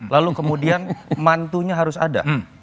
lalu kemudian mantunya harus ada